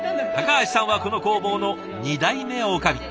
橋さんはこの工房の２代目女将。